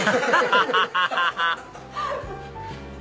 アハハハハ！